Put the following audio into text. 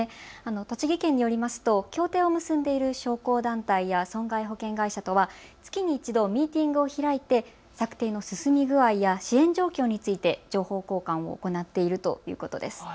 栃木県によりますと協定を結んでいる商工団体や損害保険会社とは月に１度、ミーティングを開いて策定の進み具合や支援状況について情報交換を行っているということです。